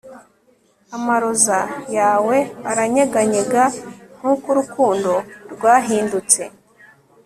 amaroza yawe aranyeganyega, nkuko urukundo rwahindutse